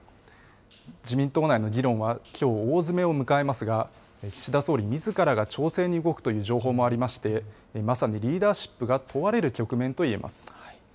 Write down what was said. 自民党内の議論は、きょう大詰めを迎えますが、岸田総理みずからが調整に動くという情報もありまして、まさにリーダーシップが問われる局面といえます。